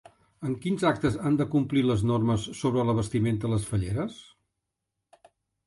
En quins actes han de complir les normes sobre la vestimenta les falleres?